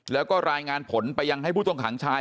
แล้วก็รายงานผลไปยังให้ผู้ต้องขังชาย